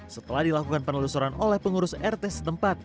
setelah dilakukan penelusuran oleh pengurus rt setempat